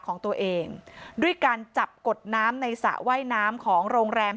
ของตัวเองด้วยการจับกดน้ำในสระว่ายน้ำของโรงแรม